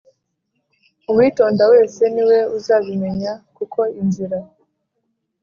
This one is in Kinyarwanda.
Uwitonda wese ni we uzabimenya kuko inzira